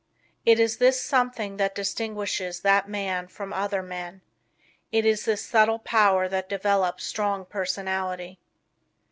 It is this "something" that distinguishes that "man" from other men. It is this subtle power that develops strong personality.